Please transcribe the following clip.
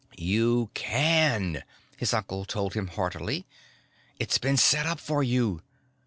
"You can," his uncle told him heartily. "It's been set up for you.